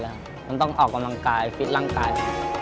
มันต้องออกกำลังกายฟิตร่างกาย